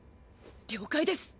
了解です。